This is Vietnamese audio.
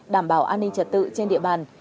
đảm bảo an ninh trật tự trên địa bàn